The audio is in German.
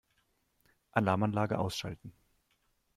Alarmanlage ausschalten.